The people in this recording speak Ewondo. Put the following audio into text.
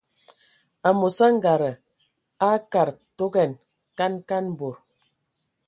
Amos angada akad togan kan kan bod.